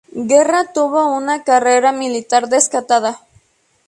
Guerra tuvo una carrera militar destacada.